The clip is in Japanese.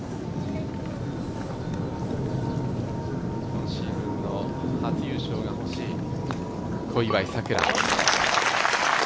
今シーズンの初優勝が欲しい小祝さくら。